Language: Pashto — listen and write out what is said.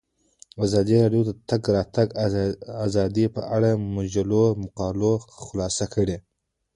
ازادي راډیو د د تګ راتګ ازادي په اړه د مجلو مقالو خلاصه کړې.